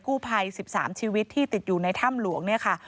ภัย๑๓ชีวิตที่ติดอยู่ในถ้ำหลวงเนี่ยค่ะ